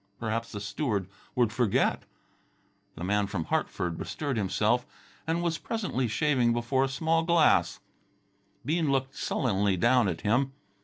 Perhaps the steward would forget. The man from Hartford bestirred himself and was presently shaving before the small glass. Bean looked sullenly down at him.